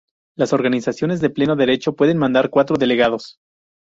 Las organizaciones de pleno derecho pueden mandar cuatro delegados.